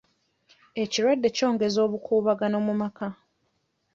Ekirwadde kyongezza obukuubagano mu maka.